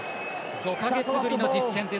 ５か月ぶりの実戦。